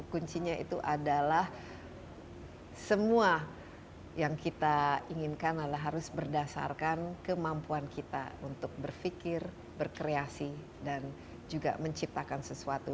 kuncinya itu adalah semua yang kita inginkan adalah harus berdasarkan kemampuan kita untuk berpikir berkreasi dan juga menciptakan sesuatu